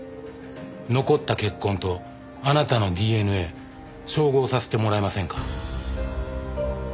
残った血痕とあなたのＤＮＡ照合させてもらえませんか？